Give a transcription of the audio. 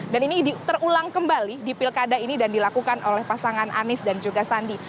dan ini terulang kembali di pilkada ini dan dilakukan oleh pasangan anis dan juga sandi